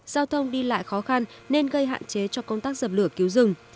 giao thông đi lại khó khăn nên gây hạn chế cho công tác dập lửa cứu rừng